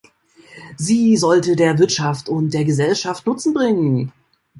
Sie sollte der Wirtschaft und der Gesellschaft Nutzen bringen.